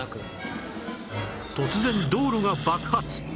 突然道路が爆発